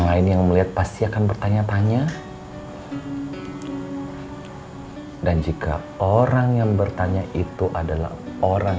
lain yang melihat pasti akan bertanya tanya dan jika orang yang bertanya itu adalah orang